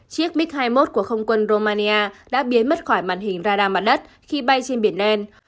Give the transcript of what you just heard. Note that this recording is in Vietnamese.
chiếc mig hai mươi một của không quân romania đã biến mất khỏi màn hình radar mặt đất khi bay trên biển đen